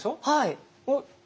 はい。